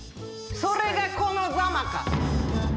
それがこのザマか！